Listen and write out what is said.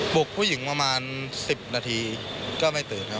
บุกผู้หญิงประมาณ๑๐นาทีก็ไม่ตื่นครับ